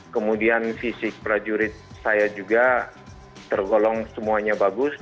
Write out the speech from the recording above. kemudian fisik prajurit saya juga tergolong semuanya bagus